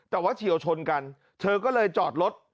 แต่ว่าเฉียวชนกันเธอก็เลยจอดรถ